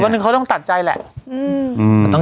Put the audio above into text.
เขาต้องตัดใจแหละ